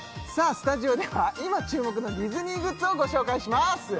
スタジオでは今注目のディズニーグッズをご紹介します